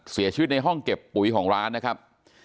เสียชีวิตในห้องเก็บปุ๋ยของร้านนะครับ